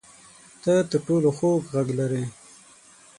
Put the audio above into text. ته تر ټولو خوږ غږ لرې